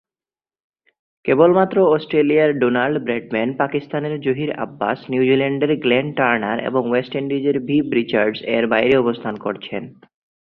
কেবলমাত্র অস্ট্রেলিয়ার Donald Bradman, পাকিস্তানের জহির আব্বাস, নিউজিল্যান্ডের গ্লেন টার্নার এবং ওয়েস্ট ইন্ডিজের ভিভ রিচার্ডস এর বাইরে অবস্থান করছেন।